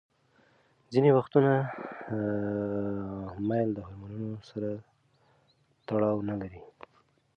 ځینې وختونه میل د هورمونونو سره تړاو نلري.